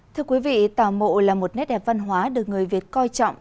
thưa quý vị tàu mộ là một nét đẹp văn hóa được người việt coi trọng